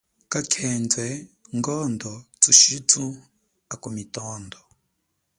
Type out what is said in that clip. Kakhendwe, ngondo thushitu akumitondo.